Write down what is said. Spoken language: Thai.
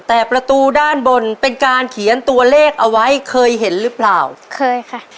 แต่ประตูด้านบนเป็นการเขียนตัวเลขเอาไว้เคยเห็นหรือเปล่าเคยค่ะ